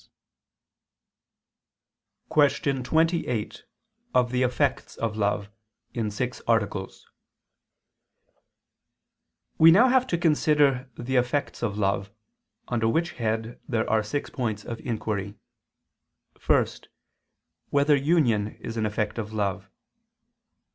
________________________ QUESTION 28 OF THE EFFECTS OF LOVE (In Six Articles) We now have to consider the effects of love: under which head there are six points of inquiry: (1) Whether union is an effect of love?